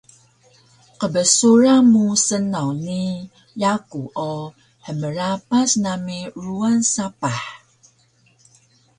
Qbsuran mu snaw ni yaku o hmrapas nami ruwan sapah